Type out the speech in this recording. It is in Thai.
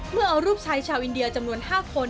เมื่อเอารูปชายชาวอินเดียจำนวน๕คน